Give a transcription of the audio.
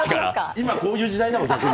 今、こういう時代なの、逆に。